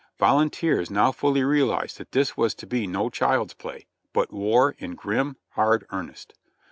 Volunteers now fully realized that this was to be no child's play, but war in grim, hard earnest.